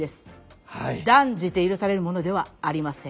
断じて許されるものではありません。